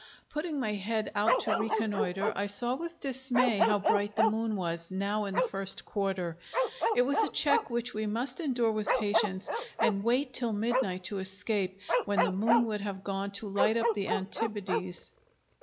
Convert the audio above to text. Putting my head out to reconnoitre, I saw with dismay how bright the moon was, now in the first quarter. It was a check which we must endure with patience, and wait till midnight to escape, when the moon would have gone to light up the Antipodes.